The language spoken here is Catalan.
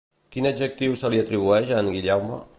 Quin adjectiu se li atribueix a en Guillaume?